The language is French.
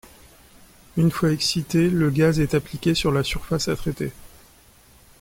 Une fois excité, le gaz est appliqué sur la surface à traiter.